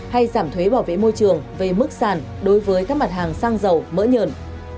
hay giảm thuế bảo vệ môi trường về mức sàn đối với các mặt hàng xăng dầu mỡ nhờn